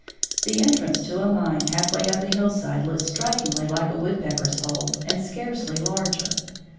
The entrance to a mine half way up a hillside looks strikingly like a woodpecker's hole and scarcely larger.